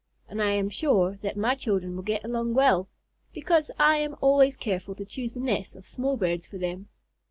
And I am sure that my children will get along well, because I am always careful to choose the nests of small birds for them.